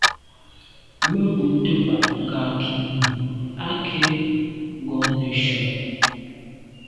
Me bumte bag ngankine à nke ngon neshu.